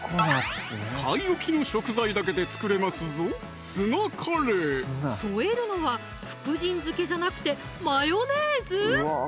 買い置きの食材だけで作れますぞ添えるのは福神漬けじゃなくてマヨネーズ？